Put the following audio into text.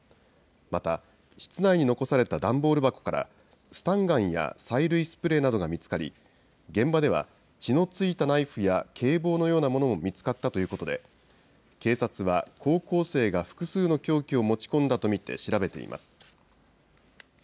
また、室内に残された段ボール箱から、スタンガンや催涙スプレーなどが見つかり、現場では血のついたナイフや警棒のようなものも見つかったということで、警察は高校生が複数の凶器を持ち込んだと見て調べています。